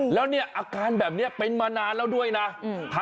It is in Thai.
แล้วเนี่ยอาการแบบนี้เป็นมานานแล้วด้วยนะ